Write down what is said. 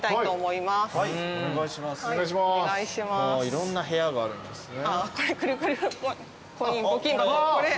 いろんな部屋があるんですね。